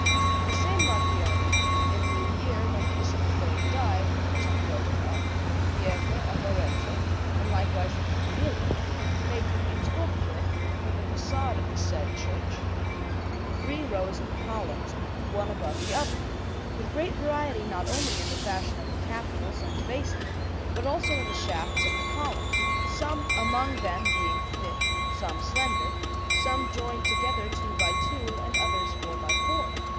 The same Marchionne, in the year when Innocent III died, finished the building of the Pieve of Arezzo and likewise the campanile, making in sculpture, for the façade of the said church, three rows of columns one above the other, with great variety not only in the fashion of the capitals and the bases but also in the shafts of the columns, some among them being thick, some slender, some joined together two by two, and others four by four.